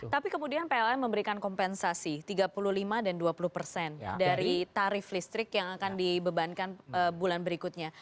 tapi kemudian pln memberikan kompensasi tiga puluh lima dan dua puluh persen dari tarif listrik yang akan dibebankan bulan berikutnya